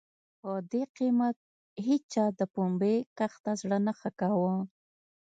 په دې قېمت هېچا د پنبې کښت ته زړه نه ښه کاوه.